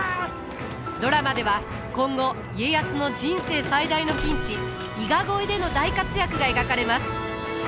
ドラマでは今後家康の人生最大のピンチ伊賀越えでの大活躍が描かれます。